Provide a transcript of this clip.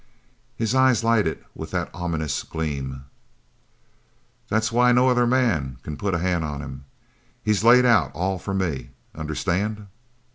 His eyes lighted with that ominous gleam. "That's why no other man c'n put a hand on him. He's laid out all for me. Understand?"